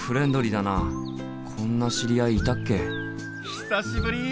久しぶり！